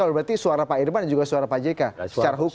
berarti suara pak irman dan juga suara pak jk secara hukum